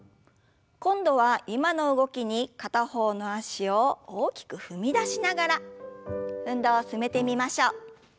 今度は今の動きに片方の脚を大きく踏み出しながら運動を進めてみましょう。